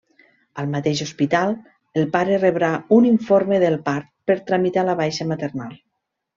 Al mateix hospital, el pare rebrà un informe del part per tramitar la baixa maternal.